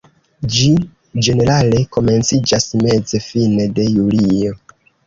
Ĝi ĝenerale komenciĝas meze-fine de julio.